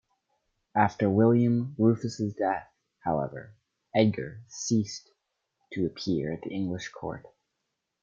After William Rufus's death, however, Edgar ceased to appear at the English court.